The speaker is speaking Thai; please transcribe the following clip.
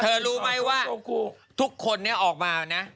รู้ไหมว่าทุกคนนี้ออกมานะ